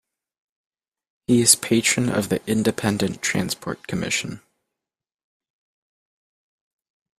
He is Patron of the Independent Transport Commission.